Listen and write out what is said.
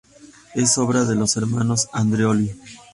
Es obra de los hermanos Andreoli.